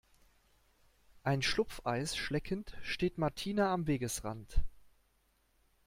Ein Schlumpfeis schleckend steht Martina am Wegesrand.